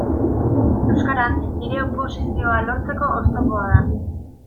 Euskara nire oposizioa lortzeko oztopoa da.